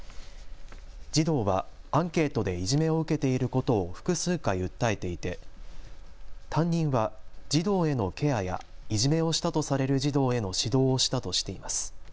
児童はアンケートでいじめを受けていることを複数回訴えていて担任は児童へのケアやいじめをしたとされる児童への指導をしたとしています。